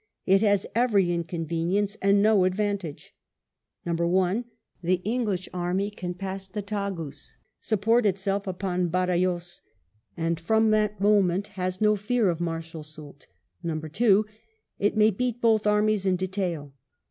It has every inconvenience, and no advantage. 1. The EngUsh army can pass the Tagus, support itself upon Badajoz, and from that moment has no fear of Marshal Soult 2. It may beat both armies in detail.